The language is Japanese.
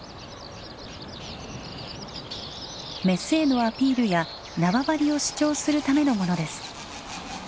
メスへのアピールや縄張りを主張するためのものです。